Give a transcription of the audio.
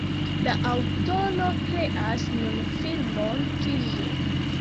La aŭtoro kreas nun filmon pri ĝi.